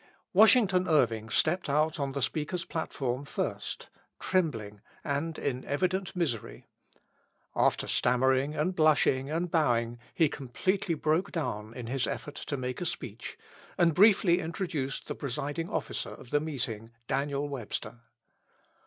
Washington Irving stepped out on the speaker's platform first, trembling, and in evident misery. After stammering and blushing and bowing, he completely broke down in his effort to make a speech, and briefly introduced the presiding officer of the meeting, Daniel Webster.